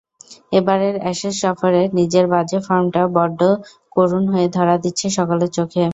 এবারের অ্যাশেজ-সফরে নিজের বাজে ফর্মটা বড্ড করুণ হয়ে ধরা দিচ্ছে সকলের চোখে।